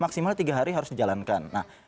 maksimal tiga hari harus dijalankan